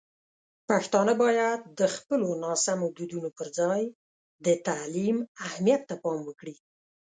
پښتانه باید د خپلو ناسمو دودونو پر ځای د تعلیم اهمیت ته پام وکړي.